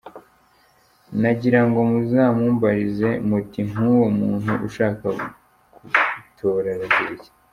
Nagirango muzamumbarize muti ‘nk’uwo muntu ushaka kugutora arazira iki?”.